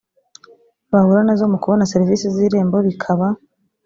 bahura nazo mu kubona serivisi z irembo bikaba